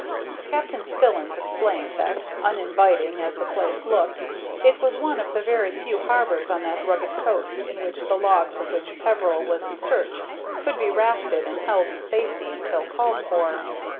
Captain Spillins explained that, uninviting as the place looked, it was one of the very few harbors on that rugged coast in which the logs of which Peveril was in search could be rafted and held in safety until called for.